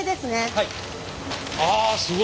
はい。